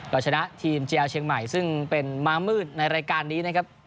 เราชนะทีมเจียเชียงใหม่ซึ่งเป็นม้ามืดในรายการนี้นะครับ